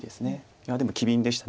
いやでも機敏でした